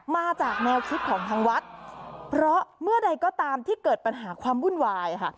มาจากแนวคิดของทางวัดเพราะเมื่อใดก็ตามที่เกิดปัญหาความวุ่นวายค่ะ